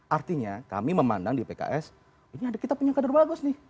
artinya kami memandang di pks ini kita punya kader bagus nih